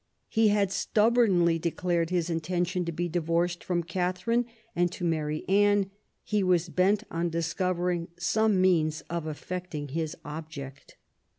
He had stubbornly declared his inten tion to be divorced from Catherine and to marry Anne ; he was bent on discovering some means of effecting his object.